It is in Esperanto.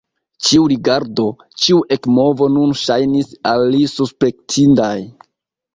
Ĉiu rigardo, ĉiu ekmovo nun ŝajnis al li suspektindaj.